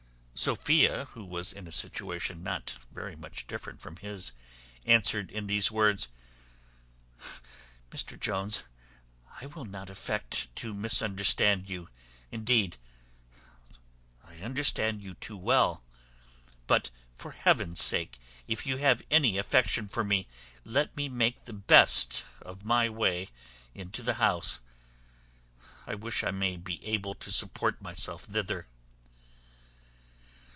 Sophia, who was in a situation not very different from his, answered in these words: "Mr Jones, I will not affect to misunderstand you; indeed, I understand you too well; but, for Heaven's sake, if you have any affection for me, let me make the best of my way into the house. I wish I may be able to support myself thither."